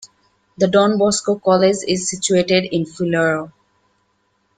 The Don Bosco College is situated in Fuiloro.